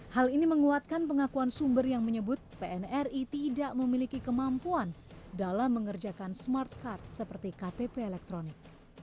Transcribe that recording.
hal ini menguatkan pengakuan sumber yang menyebut pnri tidak memiliki kemampuan dalam mengerjakan smart card seperti ktp elektronik